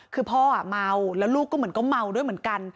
คือพ่อเมาแล้วลูกก็เหมือนก็เมาด้วยเหมือนกัน